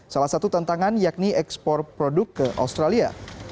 salah satu tantangan yakni ekspor produk ke australia